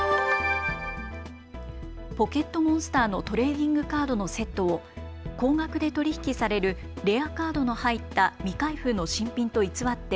ポケットモンスターのトレーディングカードのセットを高額で取り引きされるレアカードの入った未開封の新品と偽って